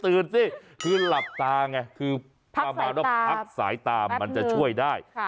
ตื่นสิคือหลับตาไงคือพักสายตามันจะช่วยได้